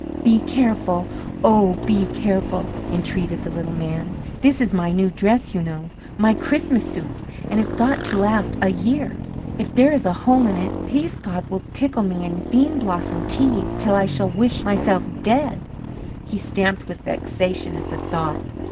"Be careful oh, be careful," entreated the little man. "This is my new dress, you know my Christmas suit, and it's got to last a year. If there is a hole in it, Peascod will tickle me and Bean Blossom tease, till I shall wish myself dead." He stamped with vexation at the thought.